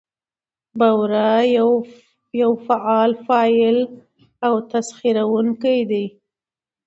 بورا يو فعال فاعل او تسخيروونکى دى؛